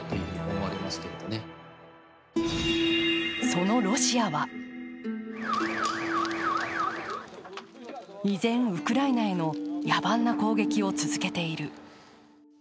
そのロシアは依然、ウクライナへの野蛮な攻撃を続けている。